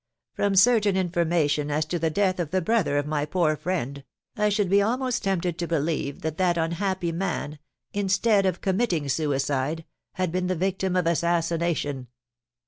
"From certain information as to the death of the brother of my poor friend, I should be almost tempted to believe that that unhappy man, instead of committing suicide, had been the victim of assassination."